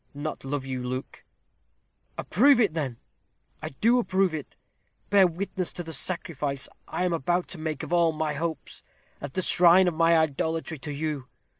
"Not love you, Luke?" "Approve it, then." "I do approve it. Bear witness the sacrifice I am about to make of all my hopes, at the shrine of my idolatry to you.